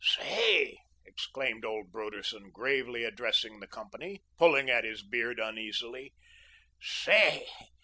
"Say!" exclaimed old Broderson, gravely addressing the company, pulling at his beard uneasily "say!